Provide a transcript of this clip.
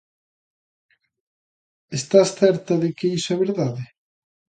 Estás certa de que iso é verdade?